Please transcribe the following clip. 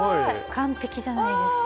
完璧じゃないですか！